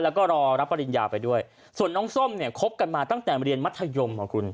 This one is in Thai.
แล้วก็รอรับปริญญาไปด้วยส่วนน้องส้มเนี่ยคบกันมาตั้งแต่เรียนมัธยมของคุณ